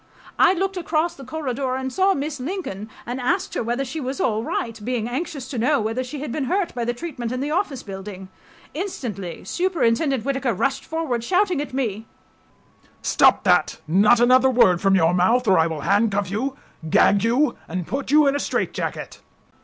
... I looked across the corridor and saw Miss Lincoln, . and asked her whether she was all right, being anxious to know whether she had been hurt by the treatment in the office building. .. Instantly Superintendent Whittaker rushed forward, shouting at me, "Stop that; not another word from your mouth, or I will handcuff you, gag you and put you in a straitjacket.